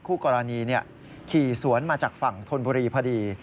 คู่กรณีขี่สวนมาจากฝั่งธนบุรีพอดี